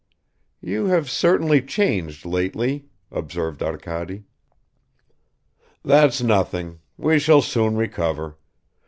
"You have certainly changed lately," observed Arkady. "That's nothing; we shall soon recover.